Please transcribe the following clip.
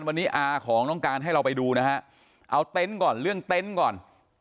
วันนี้อาของน้องการให้เราไปดูนะฮะเอาเต็นต์ก่อนเรื่องเต็นต์ก่อน